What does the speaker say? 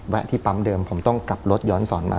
ที่ปั๊มเดิมผมต้องกลับรถย้อนสอนมา